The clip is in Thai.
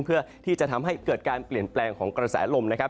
เพื่อที่จะทำให้เกิดการเปลี่ยนแปลงของกระแสลมนะครับ